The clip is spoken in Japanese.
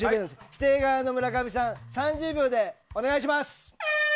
否定側の村上さん３０秒でお願いします。